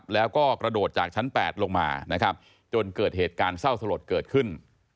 แล้วก็กระโดดจากชั้น๘ลงมานะครับจนเกิดเหตุการณ์เศร้าสลดเกิดขึ้น